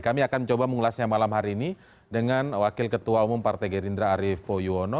kami akan coba mengulasnya malam hari ini dengan wakil ketua umum partai gerindra arief poyuono